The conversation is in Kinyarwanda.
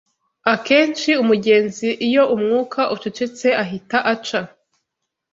Akenshi umugenzi iyo umwuka ucecetse ahita aca